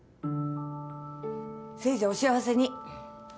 せいぜいお幸せに。